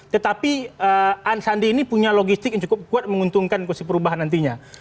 tetapi sandi ini punya logistik yang cukup kuat menguntungkan kursi perubahan nantinya